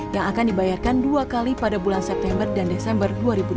yang akan dibayarkan dua kali pada bulan september dan desember dua ribu dua puluh